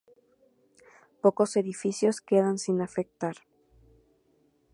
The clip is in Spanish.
Pocos edificios quedan sin afectar.